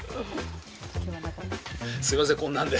すいませんこんなんで。